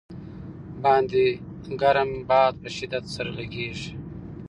باندې ګرم باد په شدت سره لګېږي.